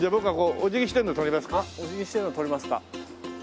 お辞儀してるの撮りますか。